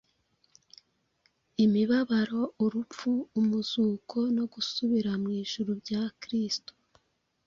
imibabaro, urupfu, umuzuko no gusubira mu ijuru bya Kristo